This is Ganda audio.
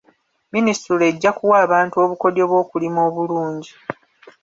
Minisitule ejja kuwa abantu obukodyo bw'okulima obulungi.